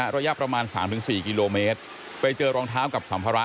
ระยะประมาณ๓๔กิโลเมตรไปเจอรองเท้ากับสัมภาระ